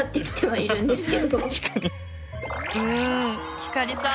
ひかりさん